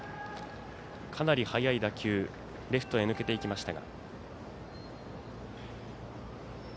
かなり速い打球がレフトに抜けていきました。